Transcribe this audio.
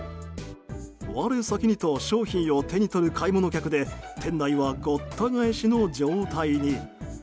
我先にと商品を手に取る買い物客で店内はごった返しの状態に。